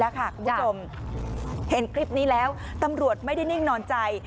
เค้าบอกว่าตรวจไม่ได้นิ่งนอนใจ